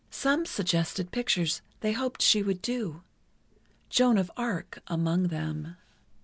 Some suggested pictures they hoped she would do—"Joan of Arc" among them.